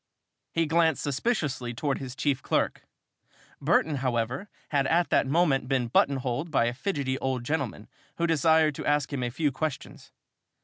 He glanced suspiciously towards his chief clerk. Burton, however, had at that moment been button holed by a fidgety old gentleman who desired to ask him a few questions.